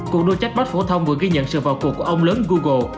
cuộc đua chatbot phổ thông vừa ghi nhận sự vào cuộc của ông lớn google